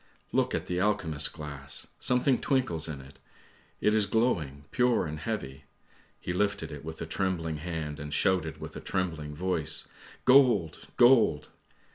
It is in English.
"Look at the alchemist's glass! something twinkles in it, it is glowing, pure and heavy. He lifted it with a trembling hand and shouted with a trembling voice: ' Gold! gold!